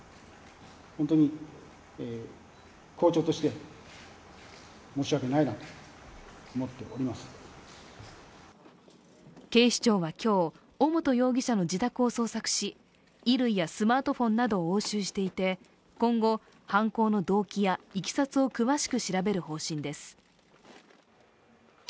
逮捕を受け、緊急会見を行った尾本容疑者の勤務先の中学校は警視庁は今日、尾本容疑者の自宅を捜索し、衣類やスマートフォンなどを押収していて、今後、犯行の動機やいきさつを詳しく調べる方針です。